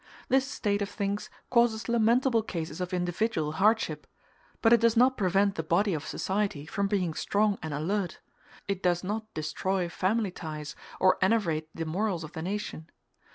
This state of things causes lamentable cases of individual hardship, but it does not prevent the body of society from being strong and alert: it does not destroy family ties, or enervate the morals of the nation.